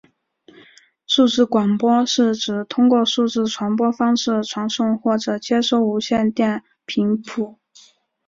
数字广播是指透过数字传播方式传送或者接收无线电频谱。